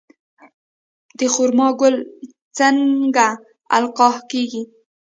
د خرما ګل څنګه القاح کیږي؟